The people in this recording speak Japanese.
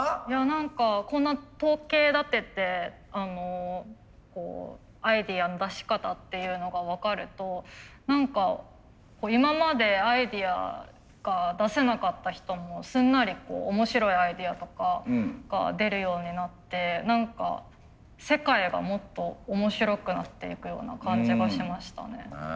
何かこんな統計立ててアイデアの出し方っていうのが分かると何か今までアイデアが出せなかった人もすんなり面白いアイデアとかが出るようになって何か世界がもっと面白くなっていくような感じがしましたね。